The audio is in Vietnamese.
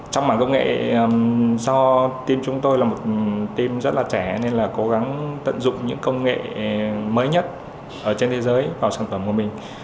trong mảng công nghệ do team chúng tôi là một team rất là trẻ nên là cố gắng tận dụng những công nghệ mới nhất trên thế giới vào sản phẩm của mình